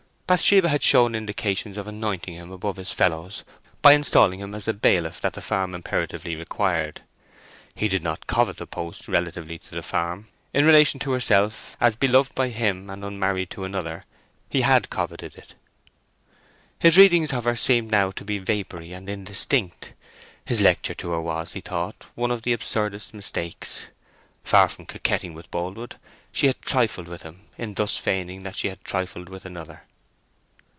Bathsheba had shown indications of anointing him above his fellows by installing him as the bailiff that the farm imperatively required. He did not covet the post relatively to the farm: in relation to herself, as beloved by him and unmarried to another, he had coveted it. His readings of her seemed now to be vapoury and indistinct. His lecture to her was, he thought, one of the absurdest mistakes. Far from coquetting with Boldwood, she had trifled with himself in thus feigning that she had trifled with another.